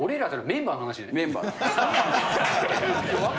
メンバー。